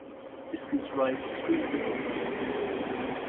This gives rise to screw theory.